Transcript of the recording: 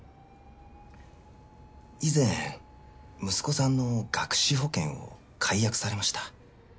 以前息子さんの学資保険を解約されました。